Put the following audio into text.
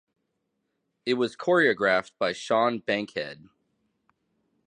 It was choreographed by Sean Bankhead.